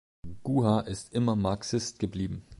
Guha ist immer Marxist geblieben.